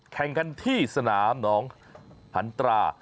แข่งกันที่สนามหนองหันตรา